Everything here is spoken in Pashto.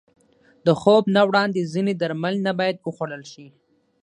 د خوب نه وړاندې ځینې درمل نه باید وخوړل شي.